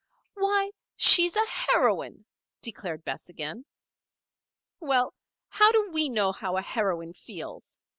"Why! she's a heroine," declared Bess again. "Well! how do we know how a heroine feels?"